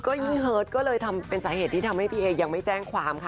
ก็ยิ่งเฮิสก็เลยเป็นสาเหตุทำให้พี่เอ๋ยังไม่แจ้งความ